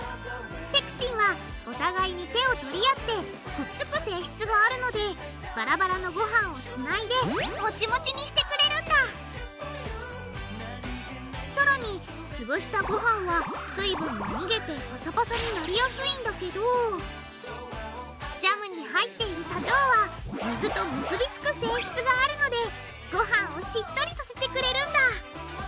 ペクチンはお互いに手を取り合ってくっつく性質があるのでバラバラのごはんをつないでモチモチにしてくれるんださらにつぶしたごはんは水分が逃げてパサパサになりやすいんだけどジャムに入っている砂糖は水と結び付く性質があるのでごはんをしっとりさせてくれるんだ！